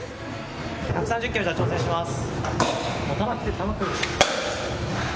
１３０キロ挑戦します。